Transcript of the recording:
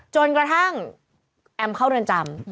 จนกระทั่งแอมเข้าเรือนจำ